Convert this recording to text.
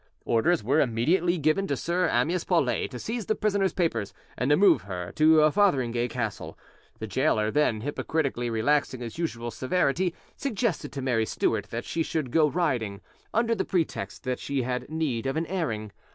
Orders were immediately given to Sir Amyas Paulet to seize the prisoner's papers and to move her to Fotheringay Castle. The gaoler, then, hypocritically relaxing his usual severity, suggested to Mary Stuart that she should go riding, under the pretext that she had need of an airing.